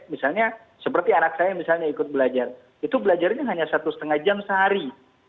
misalnya seperti anak saya misalnya ikut belajar itu belajarnya hanya satu setengah jam sehari